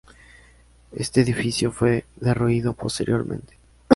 Este edificio fue derruido posteriormente.